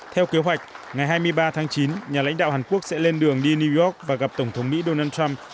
theo kế hoạch ngày hai mươi ba tháng chín nhà lãnh đạo hàn quốc sẽ lên đường đi new york và gặp tổng thống mỹ donald trump